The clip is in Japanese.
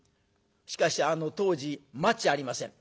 しかしあの当時マッチありません。